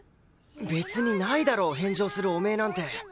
別にないだろ返上する汚名なんて。